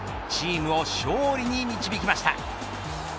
チームを勝利に導きました。